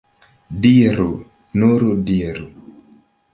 Diru, nur diru!